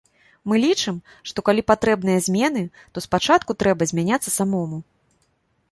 Мы лічым, што калі патрэбныя змены, то спачатку трэба змяняцца самому.